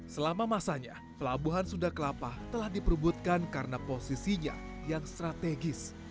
selama masanya pelabuhan sunda kelapa telah diperubutkan karena posisinya yang strategis